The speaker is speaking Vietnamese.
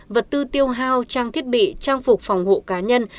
vật tư tiêu hao trang thiết bị trang phục phòng hộ cá nhân